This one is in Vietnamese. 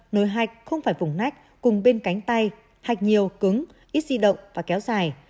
nồi hạch không phải vùng nách cùng bên cánh tay hạch nhiều cứng ít di động và kéo dài